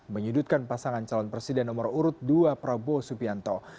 menyudutkan pasangan calon presiden nomor urut dua prabowo subianto